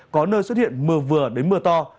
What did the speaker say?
có nơi xuất hiện mưa vừa đến mưa to